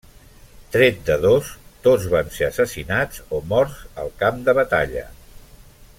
Tret de dos, tots van ser assassinats o morts al camp de batalla.